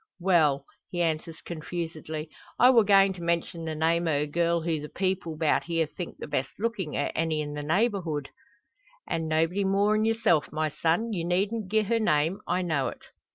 well " he answers confusedly; "I wor goin' to mention the name o' a girl who the people 'bout here think the best lookin' o' any in the neighbourhood " "An' nobody more'n yourself, my son. You needn't gi'e her name. I know it."